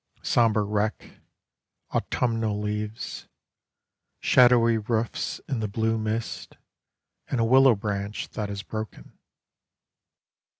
Sombre wreck autumnal leaves; Shadowy roofs In the blue mist, And a willow branch that is broken.